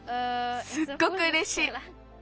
すっごくうれしい。